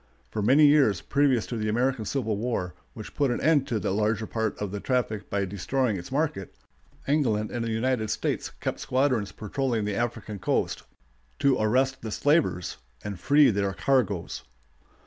For many years previous to the American Civil War, which put an end to the larger part of the traffic by destroying its market, England and the United States kept squadrons patrolling the African coast to arrest the slavers and free their "cargoes."